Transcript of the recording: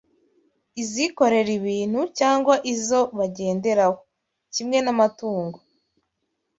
izikorera ibintu cyangwa izo bagenderaho, kimwe n'amatungo